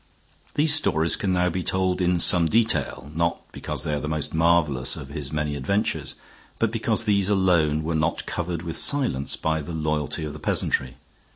These stories can now be told in some detail, not because they are the most marvelous of his many adventures, but because these alone were not covered with silence by the loyalty of the peasantry.